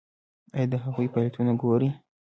ایا د هغوی فعالیتونه ګورئ؟